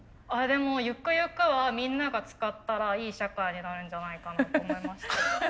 でもゆくゆくはみんなが使ったらいい社会になるんじゃないかなと思いました。